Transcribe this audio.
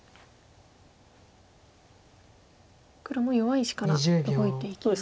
黒も弱い石から動いていきましたね。